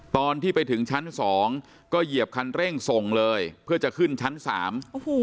ตอนที่ไปถึงชั้นสองก็เหยียบคันเร่งส่งเลยเพื่อจะขึ้นชั้นสามโอ้โห